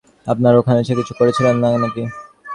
আপনার ওখানে সে কিছু করেছিল নাকি?